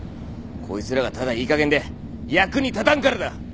こいつらがただいいかげんで役に立たんからだ！